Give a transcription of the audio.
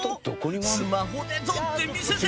スマホで撮って見せて！